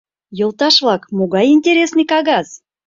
Йолташ-влак, могай интересный кагаз!